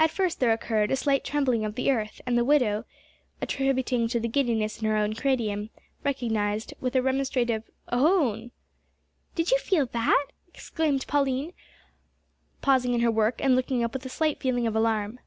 At first there occurred a slight trembling of the earth, which the widow, attributing to giddiness in her own cranium, recognised with a remonstrative "Ohone!" "Did you feel that?" exclaimed Pauline, pausing in her work and looking up with a slight feeling of alarm.